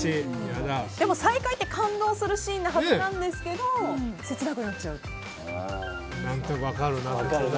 でも再会って感動するシーンなはずなんですけど分かるな。